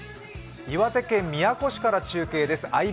岩手県宮古市から中継です。